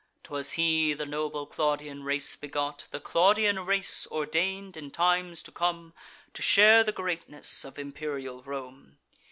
'Twas he, the noble Claudian race begot, The Claudian race, ordain'd, in times to come, To share the greatness of imperial Rome.